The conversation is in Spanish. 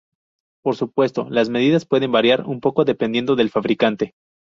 Por supuesto, las medidas pueden variar un poco dependiendo del fabricante.